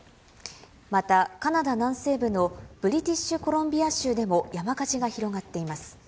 また、カナダ南西部のブリティッシュコロンビア州でも山火事が広がっています。